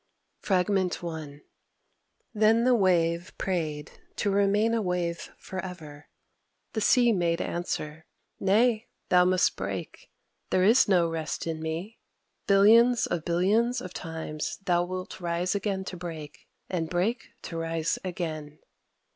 Fr. I ... Then the Wave prayed to remain a wave forever. The Sea made answer: "Nay, thou must break: there is no rest in me. Billions of billions of times thou wilt rise again to break, and break to rise again."